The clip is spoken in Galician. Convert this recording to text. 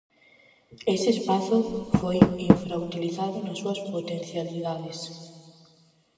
Ese espazo foi infrautilizado nas súas potencialidades.